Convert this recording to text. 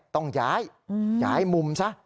ต้องย้ายย้ายมุมซะ